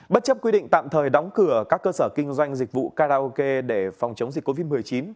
bất chấp quy định tạm thời đóng cửa các cơ sở kinh doanh dịch vụ karaoke để phòng chống dịch covid một mươi chín